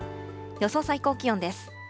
予想最高気温です。